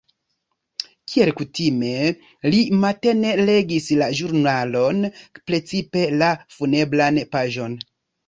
Kiel kutime, li matene legis la ĵurnalon, precipe la funebran paĝon.